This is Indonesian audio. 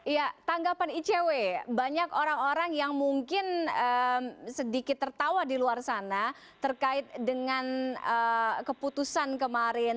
iya tanggapan icw banyak orang orang yang mungkin sedikit tertawa di luar sana terkait dengan keputusan kemarin